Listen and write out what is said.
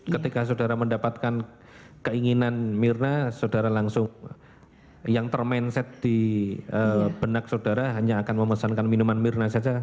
ketika saudara mendapatkan keinginan mirna saudara langsung yang terminset di benak saudara hanya akan memesankan minuman mirna saja